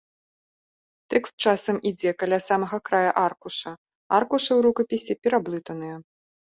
Тэкст часам ідзе каля самага края аркуша, аркушы ў рукапісе пераблытаныя.